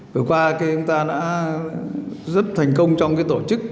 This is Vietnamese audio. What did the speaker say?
vừa qua chúng ta đã rất thành công trong cái tổ chức